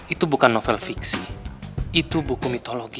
itu bukan novel fiksi itu buku mitologi